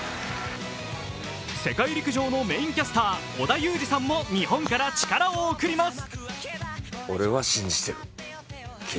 世界陸上のメインキャスター織田裕二さんも日本から力を送ります。